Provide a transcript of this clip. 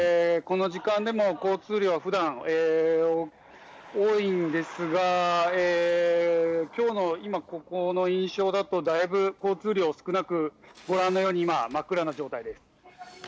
この時間でも交通量は普段、多いんですが今日の今、ここの印象だとだいぶ交通量が少なくご覧のように真っ暗な状態です。